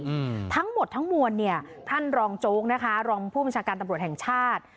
อืมทั้งหมดทั้งมวลเนี้ยท่านรองโจ๊กนะคะรองผู้บัญชาการตำรวจแห่งชาติ